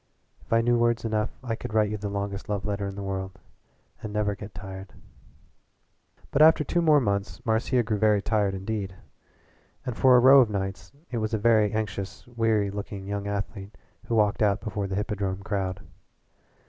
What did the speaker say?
"If I knew words enough I could write you the longest love letter in the world and never get tired." But after two more months Marcia grew very tired indeed, and for a row of nights it was a very anxious, weary looking young athlete who walked out before the Hippodrome crowd.